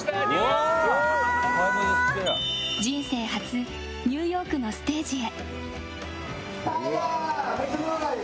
人生初ニューヨークのステージへ。